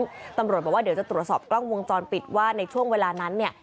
ซึ่งตำรวจบอกว่าเดี๋ยวจะตรวจสอบกล้องวงจรปิดว่าในช่วงเวลานั้นเนี่ย